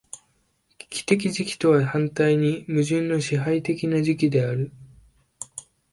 危機的時期とは反対に矛盾の支配的な時期である。